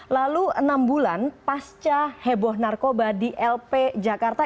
lalu enam bulan pasca heboh narkoba di lp jakarta